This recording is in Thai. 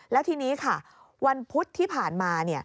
แล้วทีนี้ค่ะวันพุธที่ผ่านมา